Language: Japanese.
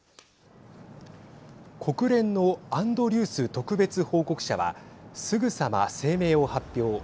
国連のアンドリュース特別報告者はすぐさま声明を発表。